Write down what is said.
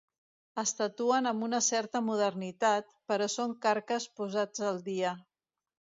Es tatuen amb una certa modernitat, però són carques posats al dia.